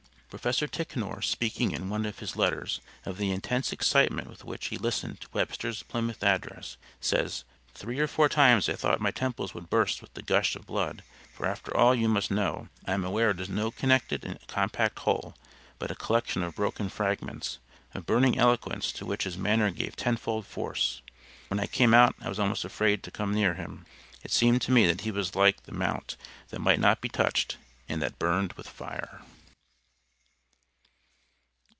Professor Ticknor, speaking in one of his letters of the intense excitement with which he listened to Webster's Plymouth address, says: "Three or four times I thought my temples would burst with the gush of blood, for after all you must know I am aware it is no connected and compact whole, but a collection of broken fragments, of burning eloquence to which his manner gave ten fold force. When I came out I was almost afraid to come near him. It seemed to me that he was like the mount that might not be touched, and that burned with fire."